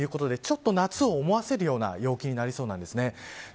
ちょっと夏を思わせるような陽気になりそうです。